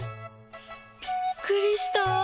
びっくりした！